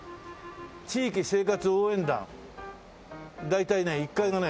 「地域生活応援団」大体ね１階がね